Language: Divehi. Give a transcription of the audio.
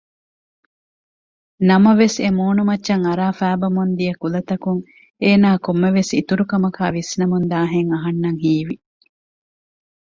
ނަމަވެސް އެމޫނުމައްޗަށް އަރައި ފައިބަމުން ދިޔަ ކުލަތަކުން އޭނާ ކޮންމެވެސް އިތުރު ކަމަކާ ވިސްނަމުންދާހެން އަހަންނަށް ހީވި